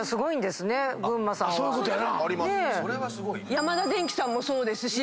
ヤマダデンキさんもそうですし。